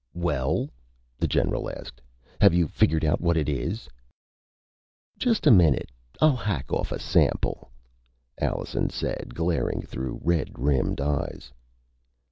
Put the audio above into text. "Well," the general asked, "have you figured out what it is?" "Just a minute, I'll hack off a sample," Allenson said, glaring through red rimmed eyes.